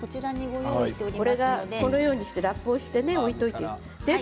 このようにしてラップをして置いたものです。